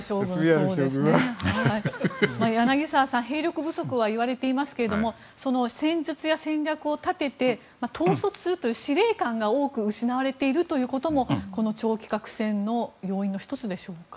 柳澤さん兵力不足はいわれていますがその戦術や戦略を立てて統率をする人が多く失われているということも要因の１つでしょうか。